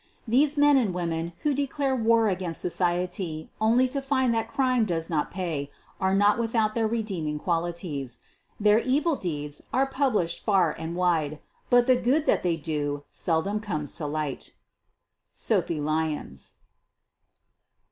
These men and women who declare war against society only to find that CRIME DOES NOT PAY are not without their redeeming qualities. Their evil deeds are published far and wide, but \ne good that they do seldom comes to light. SOPHIE LYONS.